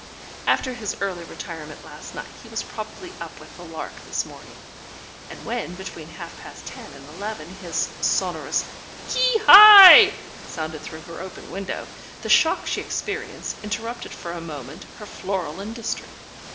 After his early retirement last night he was probably up with the lark this morning, and when between half past ten and eleven his sonorous "Qui hi!" sounded through her open window, the shock she experienced interrupted for a moment her floral industry.